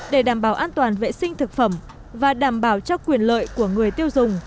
để đảm bảo an toàn vệ sinh thực phẩm và đảm bảo cho quyền lợi của người tiêu dùng